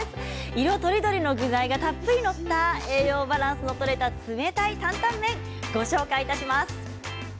色とりどりの具材がたっぷり載った栄養バランスの取れた冷たい麺です。